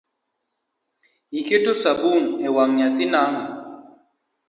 Iketo sabun ewang’ nyathi nang’o?